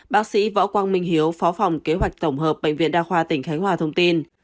bác sĩ võ quang minh hiếu phó phòng kế hoạch tổng hợp bệnh viện đa khoa tỉnh khánh hòa thông tin